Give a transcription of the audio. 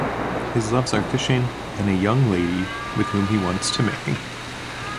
His loves are fishing and a young lady with whom he wants to marry.